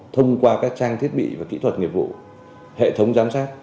thông qua các trang thiết bị và kỹ thuật nghiệp vụ hệ thống giám sát